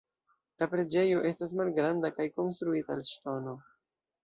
La preĝejo estas malgranda kaj konstruita el ŝtono.